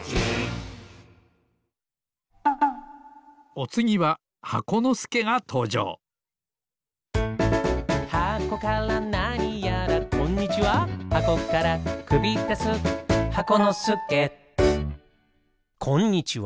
おつぎは箱のすけがとうじょうこんにちは。